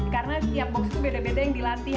karena tiap box itu beda beda yang dilatih